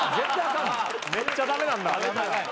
・めっちゃ駄目なんだ。